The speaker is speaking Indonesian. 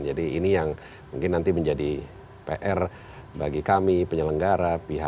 jadi ini yang mungkin nanti menjadi pr bagi kami penyelenggara pihak perusahaan